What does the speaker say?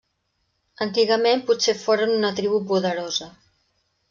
Antigament potser foren una tribu poderosa.